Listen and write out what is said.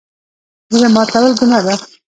زړه ماتول ګناه ده